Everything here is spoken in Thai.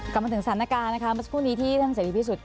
กลับมาถึงสถานการณ์นะคะประสบคุณที่ท่านเศรษฐีพิสุทธิ์